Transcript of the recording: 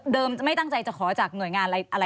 ไม่ตั้งใจจะขอจากหน่วยงานอะไร